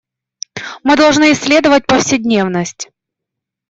Мы должны исследовать повседневность.